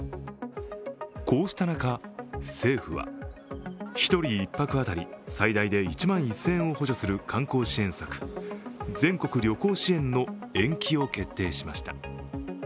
こうした中、政府は、１人１泊当たり最大で１万１０００円を補助する観光支援策、全国旅行支援の延期を決定しました。